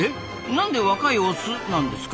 なんで若いオスなんですか？